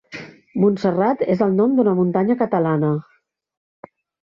Montserrat és el nom d'una muntanya catalana.